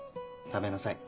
食べなさい。